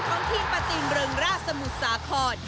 ของทีมประตินเริงร่าสมุทรสาขน